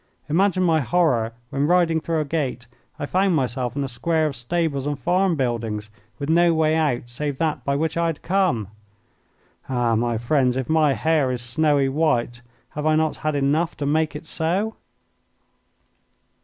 Imagine my horror when, riding through a gate, I found myself in a square of stables and farm buildings, with no way out save that by which I had come! Ah, my friends, if my hair is snowy white, have I not had enough to make it so?